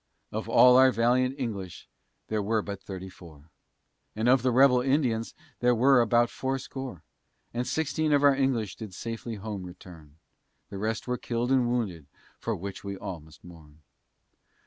Of all our valiant English there were but thirty four, And of the rebel Indians there were about fourscore. And sixteen of our English did safely home return, The rest were kill'd and wounded, for which we all must mourn.